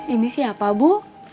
ini siapa bu